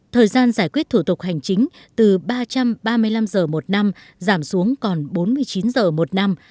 thời gian giải quyết thủ tục hành chính từ ba trăm ba mươi năm giờ một năm giảm xuống còn bốn mươi chín giờ một năm